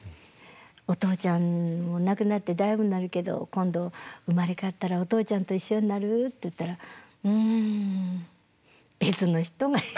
「お父ちゃん亡くなってだいぶなるけど今度生まれ変わったらお父ちゃんと一緒になる？」って言ったら「うん別の人がええ」